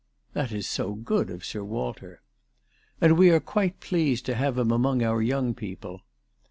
" That is so good of Sir Walter." " And we are quite pleased to have him among our young people."